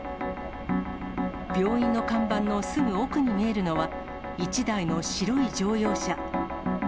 病院の看板のすぐ奥に見えるのは、１台の白い乗用車。